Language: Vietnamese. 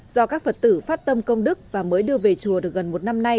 do các phật tử phát tâm công đức và mới đưa về chùa được gần một năm nay